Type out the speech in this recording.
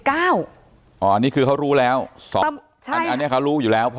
อันนี้คือเขารู้แล้วอันนี้เขารู้อยู่แล้ว